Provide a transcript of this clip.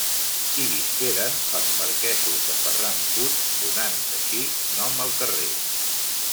Hi visqueren els marquesos de Ferran Puig, donant així nom al carrer.